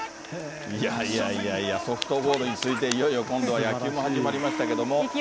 いやいやいや、ソフトボールに続いていよいよ今度は野球も始まりましたけれども。